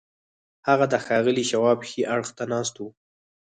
هغه د ښاغلي شواب ښي اړخ ته ناست و